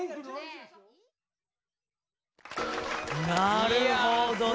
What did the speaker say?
なるほど！